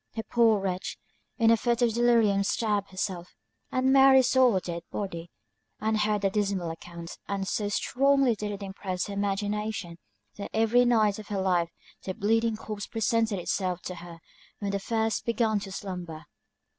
The poor wretch, in a fit of delirium stabbed herself, and Mary saw her dead body, and heard the dismal account; and so strongly did it impress her imagination, that every night of her life the bleeding corpse presented itself to her when the first began to slumber.